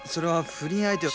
不倫相手！？